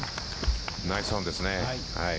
ナイスオンですね。